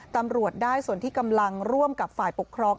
ตำรวจได้ส่วนที่กำลังร่วมกับฝ่ายปกครอง